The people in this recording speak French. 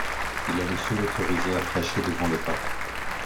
Il est le seul autorisé à prêcher devant le pape.